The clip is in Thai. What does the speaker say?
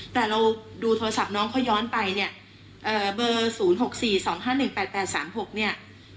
แต่เราดูโทรศัพท์น้องเขาย้อนไปเนี่ยเอ่อเบอร์ศูนย์หกสี่สองห้าหนึ่งแปดแปดสามหกเนี่ย